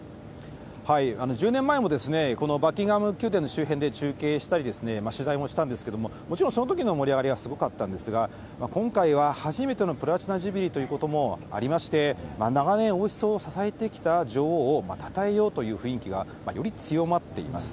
１０年前もこのバッキンガム宮殿の周辺で中継したり、取材もしたんですけれども、もちろんそのときの盛り上がりはすごかったんですが、今回は初めてのプラチナ・ジュビリーということもありまして、長年、王室を支えてきた女王をたたえようという雰囲気がより強まっています。